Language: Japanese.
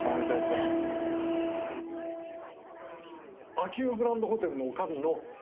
秋保グランドホテルの女将の田中啓子。